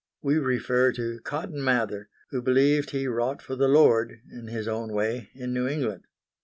We refer to Cotton Mather, who believed he wrought for the Lord in his own way in New England.